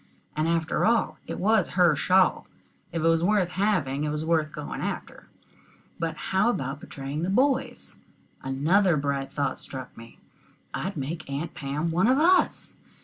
And, after all, it was her shawl. If it was worth having, it was worth going after. But how about betraying the boys? Another bright thought struck me. I'd make Aunt Pam one of us.